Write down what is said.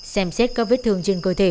xem xét các vết thương trên cơ thể